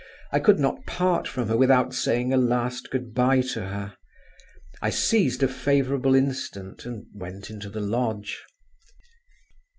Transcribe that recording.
I could not part from her without saying a last good bye to her. I seized a favourable instant, and went into the lodge.